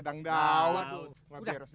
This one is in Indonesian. jangan pergi sama aku